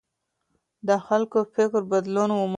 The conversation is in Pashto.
د خلګو فکر بدلون وموند.